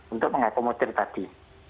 untuk mengakomodir tadi